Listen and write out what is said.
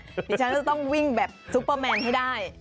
ดิฉันจะต้องวิ่งแบบซุปเปอร์แมนให้ได้